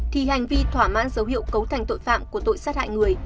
thì hành vi thỏa mãn dấu hiệu cấu thành tội phạm của tội sát hại người